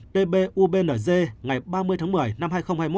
năm trăm tám mươi tb ubnd ngày ba mươi tháng một mươi năm hai nghìn hai mươi một